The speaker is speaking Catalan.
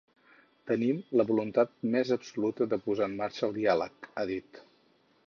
Tenim la voluntat més absoluta de posar en marxa el diàleg, ha dit.